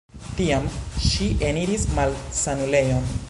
Tiam ŝi eniris malsanulejon.